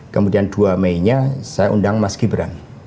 kemudian dua meinya saya undang mas gibran